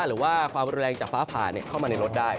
หรือว่าความแรงจากฟ้าผ่าเข้ามาในรถได้